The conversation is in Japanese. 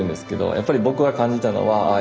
やっぱり僕が感じたのはああ